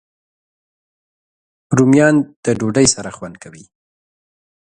رومیان د ډوډۍ سره خوند کوي